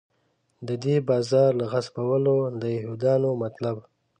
د دې بازار له غصبولو د یهودانو مطلب.